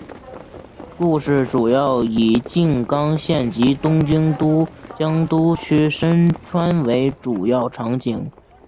故事主要以静冈县及东京都江东区深川为主要场景。